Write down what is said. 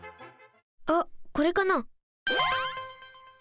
あっこれかな？